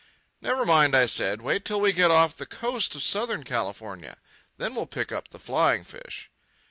"Never mind," I said. "Wait till we get off the coast of Southern California. Then we'll pick up the flying fish."